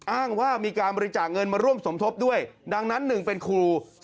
อ้างว่ามีการบริจาคเงินมาร่วมสมทบด้วยดังนั้นหนึ่งเป็นครู